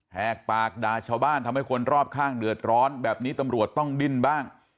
หากปากด่าชาวบ้านทำให้คนรอบข้างเดือดร้อนแบบนี้ตำรวจต้องดิ้นบ้าง